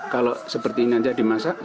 kalau seperti ini saja dimasak gimana